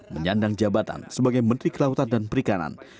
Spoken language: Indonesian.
menyandang jabatan sebagai menteri kelautan dan perikanan